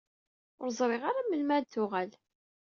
Ur ẓriɣ ara melmi ara d-tuɣal.